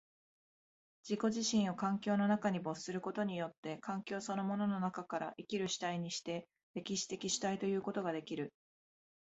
自己自身を環境の中に没することによって、環境そのものの中から生きる主体にして、歴史的主体ということができる。